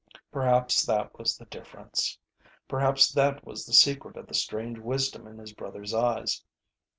Perhaps that was the difference. Perhaps that was the secret of the strange wisdom in his brother's eyes.